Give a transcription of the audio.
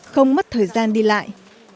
không mất thời gian đi lại